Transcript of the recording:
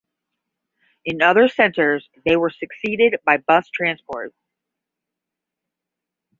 In other centres they were succeeded by bus transport.